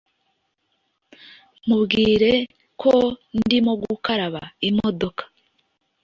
Mubwire ko ndimo gukaraba imodoka